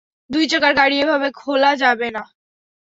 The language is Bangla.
দুই-চাকার গাড়ি এভাবে খোলা যাবে না।